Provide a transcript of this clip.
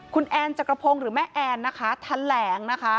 คุณแอนจักรพงศ์หรือแม่แอนนะคะแถลงนะคะ